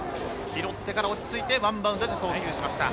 拾ってから落ち着いてワンバウンドで送球しました。